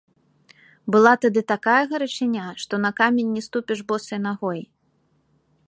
Была тады такая гарачыня, што на камень не ступіш босай нагой.